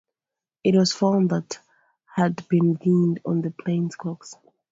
It was found that had been gained on the planes' clocks.